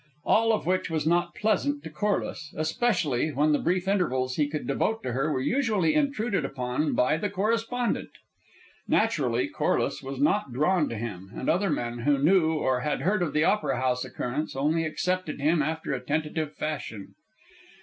All of which was not pleasant to Corliss, especially when the brief intervals he could devote to her were usually intruded upon by the correspondent. Naturally, Corliss was not drawn to him, and other men, who knew or had heard of the Opera House occurrence, only accepted him after a tentative fashion.